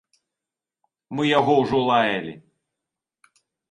Мы яго ўжо лаялі.